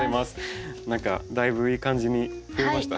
何かだいぶいい感じにふえました。